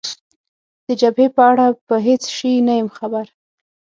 د جبهې په اړه په هېڅ شي نه یم خبر.